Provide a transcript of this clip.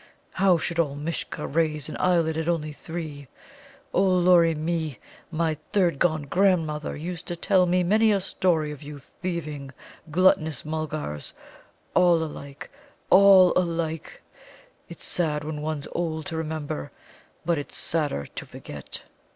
How should old Mishcha raise an eyelid at only three? Olory mi, my third gone grandmother used to tell me many a story of you thieving, gluttonous Mulgars, all alike, all alike. It's sad when one's old to remember, but it's sadder to forget."